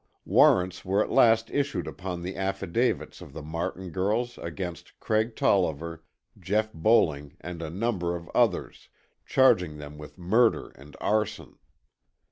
Warrants were at last issued upon the affidavits of the Martin girls against Craig Tolliver, Jeff Bowling and a number of others, charging them with murder and arson.